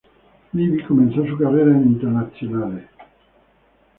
Livi comenzó su carrera en Internazionale.